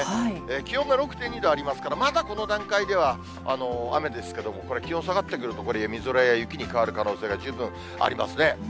気温が６．２度ありますから、まだこの段階では雨ですけども、これ、気温下がってくると、これ、みぞれや雪に変わる可能性が十分ありますね。